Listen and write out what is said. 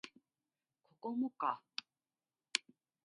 ここもか